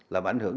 làm ảnh hưởng